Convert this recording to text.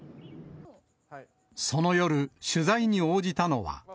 その夜、取材に応じたのは。